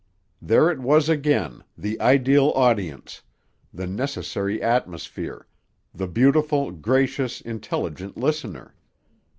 There it was again, the ideal audience, the necessary atmosphere, the beautiful, gracious, intelligent listener.